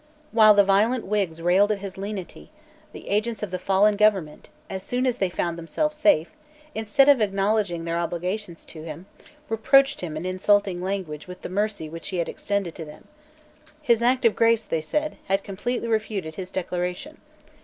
While the violent Whigs railed at his lenity, the agents of the fallen government, as soon as they found themselves safe, instead of acknowledging their obligations to him, reproached him in insulting language with the mercy which he had extended to them. His Act of Grace, they said, had completely refuted his Declaration.